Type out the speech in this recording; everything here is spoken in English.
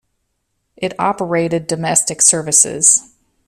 It operated domestic services.